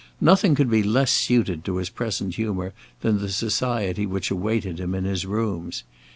Nothing could be less suited to his present humour than the society which awaited him in his rooms.